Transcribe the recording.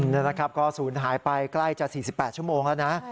นะครับก็ศูนย์หายไปใกล้จะ๔๘ชั่วโมงแล้วนะ